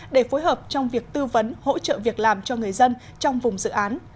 để phối hợp trong việc tư vấn hỗ trợ việc làm cho người dân trong vùng dự án